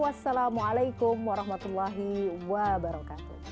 wassalamualaikum warahmatullahi wabarakatuh